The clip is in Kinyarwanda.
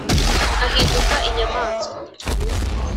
ahinduka inyamaswa